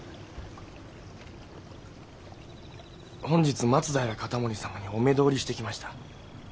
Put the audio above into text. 本日松平容保様にお目通りしてきました。